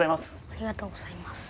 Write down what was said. ありがとうございます。